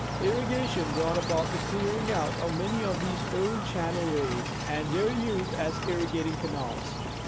Irrigation brought about the clearing out of many of these old channel ways, and their use as irrigating canals.